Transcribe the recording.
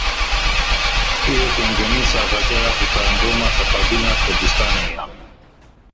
Îro pêncemîn salvegera referandûma serxwebûna Kurdistanê ye.